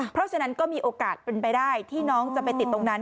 เพราะฉะนั้นก็มีโอกาสเป็นไปได้ที่น้องจะไปติดตรงนั้น